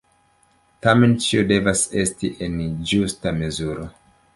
Tamen ĉio devas esti en ĝusta mezuro.